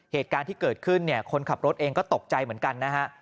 เหตุการณ์ที่เกิดขึ้นเนี่ยคนขับรถเองก็ตกใจเหมือนกันนะฮะ